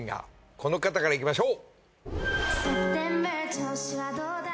この方からいきましょう。